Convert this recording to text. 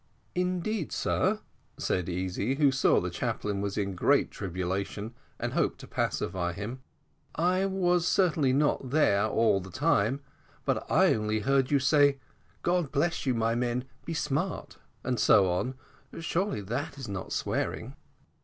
"Indeed, sir," said Easy, who saw that the chaplain was in great tribulation, and hoped to pacify him, "I was certainly not there all the time, but I only heard you say, `God bless you, my men! be smart,' and so on; surely, that is not swearing."